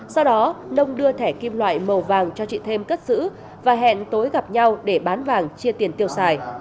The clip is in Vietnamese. sau đó nông đưa thẻ kim loại màu vàng cho chị thêm cất giữ và hẹn tối gặp nhau để bán vàng chia tiền tiêu xài